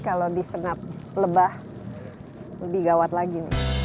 kalau diserap lebah lebih gawat lagi